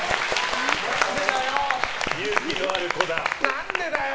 何でだよ。